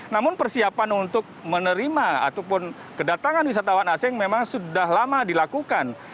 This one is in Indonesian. namun persiapan untuk menerima ataupun kedatangan wisatawan asing memang sudah lama dilakukan